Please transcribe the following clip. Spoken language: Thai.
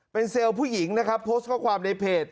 เป็นเซลล์ผู้หญิงนะครับโพสต์ข้อความในเพจ